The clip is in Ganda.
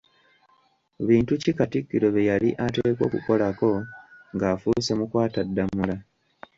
Bintu ki Kattikiro bye yali ateekwa okukolako ng'afuuse mukwata ddamula?